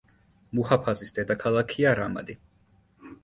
მუჰაფაზის დედაქალაქია რამადი.